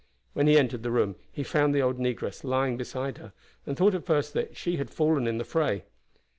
When he entered the room he found the old negress lying beside her, and thought at first that she had fallen in the fray.